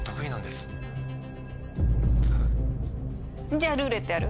じゃあ「ルーレット」やる？